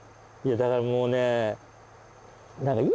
だからもうね。